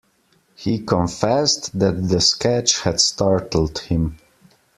He confessed that the sketch had startled him.